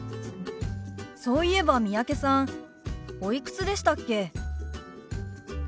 そういえば三宅さんおいくつでしたっけ？